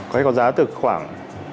có giá từ khoảng